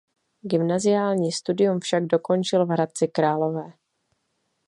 Gymnaziální studium však dokončil v Hradci Králové.